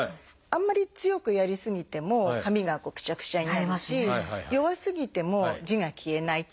あんまり強くやり過ぎても紙がくしゃくしゃになるし弱すぎても字が消えない。